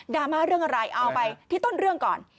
มาเรื่องอะไรเอาไปที่ต้นเรื่องก่อน